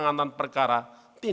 untuk usaha semt ratherus